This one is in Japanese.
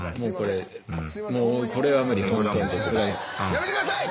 やめてください！